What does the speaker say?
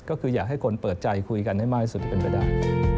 ก็คืออยากให้คนเปิดใจคุยกันให้มากที่สุดเป็นไปได้